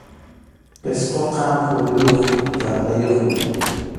Pisquqa phuruyuq raprayuqmi.